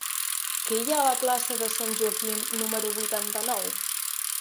Què hi ha a la plaça de Sant Joaquim número vuitanta-nou?